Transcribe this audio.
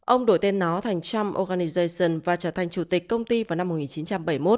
ông đổi tên nó thành cham organijation và trở thành chủ tịch công ty vào năm một nghìn chín trăm bảy mươi một